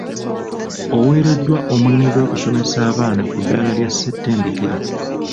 Oweereddwa omulimu gw'okusomesa abaana ku ddaala lya ssettedekero.